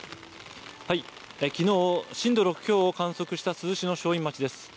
きのう、震度６強を観測した珠洲市の正院町です。